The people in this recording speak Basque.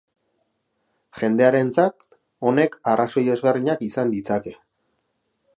Jendearentzat honek arrazoi ezberdinak izan ditzake.